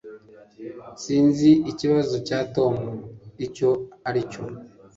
Sinzi ikibazo cya Tom icyo aricyo